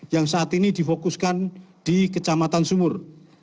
yang saat ini difokuskan di kecamatan sumur